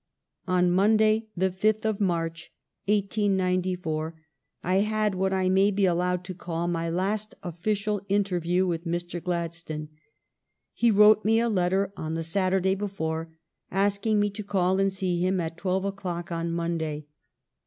On Monday, the fifth of March, 1894, ^ had what I may be allowed to call my last official inter view with Mr. Gladstone. He wrote me a letter on the Saturday before, asking me to call and see him at twelve oclock on Monday.